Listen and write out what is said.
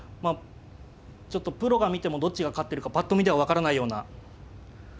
ちょっとプロが見てもどっちが勝ってるかぱっと見では分からないような。